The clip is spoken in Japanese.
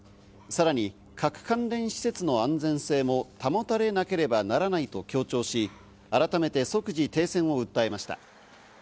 さらに核関連施設の安全性も保たれなければならないと強調し、改めて即時停戦を訴えました。